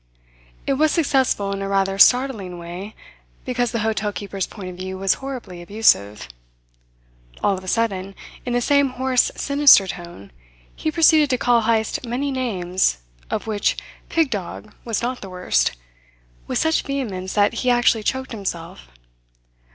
It was successful in a rather startling way, because the hotel keeper's point of view was horribly abusive. All of a sudden, in the same hoarse sinister tone, he proceeded to call Heyst many names, of which "pig dog" was not the worst, with such vehemence that he actually choked himself.